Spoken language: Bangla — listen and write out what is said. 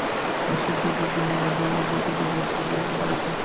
আর সে দ্বীপে গিয়েই নানা ভয়ানক ও ভৌতিক বিপদে পড়ে নারীটি।